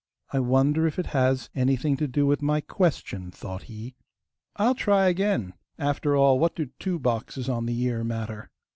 'I wonder if it has anything to do with my question,' thought he. 'I'll try again! After all, what do two boxes on the ear matter?